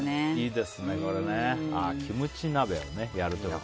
キムチ鍋をやると。